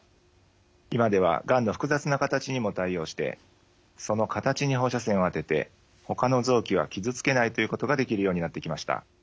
今ではがんの複雑な形にも対応してその形に放射線を当ててほかの臓器は傷つけないということができるようになってきました。